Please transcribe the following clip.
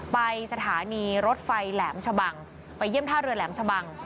ไปสถานีรถไฟแหลมชะบังไปเยี่ยมท่าเรือแหลมชะบัง